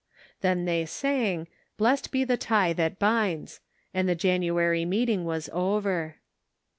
Then they sang, " Blest be the tie that binds," and the January meeting was over.